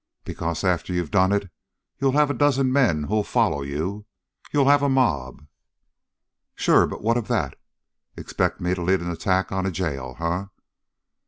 "Because after you've done it, you'll have a dozen men who'll follow you. You'll have a mob." "Sure! But what of that? Expect me to lead an attack on a jail, eh?